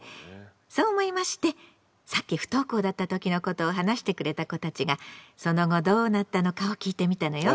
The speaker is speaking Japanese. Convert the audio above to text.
そう思いましてさっき不登校だった時のことを話してくれた子たちがその後どうなったのかを聞いてみたのよ。